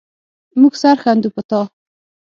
مونږ سر ښندو په تا